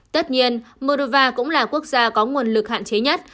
tất nhiên modrova cũng là quốc gia có nguồn lực hạn chế nhất